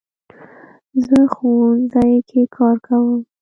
زه ښوونځي کې کار کوم